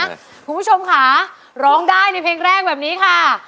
คุณผู้ชมค่ะร้องได้ในเพลงแรกแบบนี้ค่ะ